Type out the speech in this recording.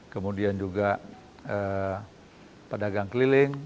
kemudian juga pedagang keliling